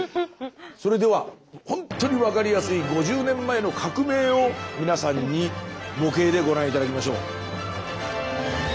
それではほんとに分かりやすい５０年前の革命を皆さんに模型でご覧頂きましょう。